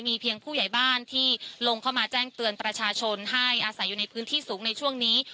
เพียงผู้ใหญ่บ้านที่ลงเข้ามาแจ้งเตือนประชาชนให้อาศัยอยู่ในพื้นที่สูงในช่วงนี้